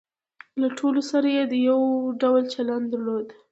له ټولو سره یې یو ډول چلن درلود.